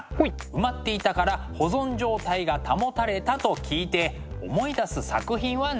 埋まっていたから保存状態が保たれたと聞いて思い出す作品は何でしょう？